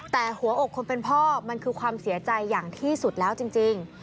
แต่หัวอกคนเป็นพ่อมันคือความเสียใจอย่างที่สุดแล้วจริง